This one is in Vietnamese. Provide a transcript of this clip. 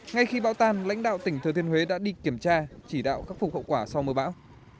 ngay khi bão tan lãnh đạo tỉnh thừa thiên huế đã đi kiểm tra chỉ đạo khắc phục hậu quả sau mưa bão